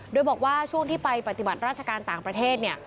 โดยบอกว่าช่วงที่ไปปฏิบัติราชการต่างประเทศเนี่ย